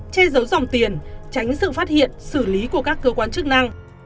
che giấu dòng tiền tránh sự phát hiện xử lý của các cơ quan chức năng